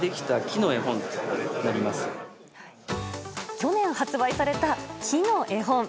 去年発売された「木のえほん」。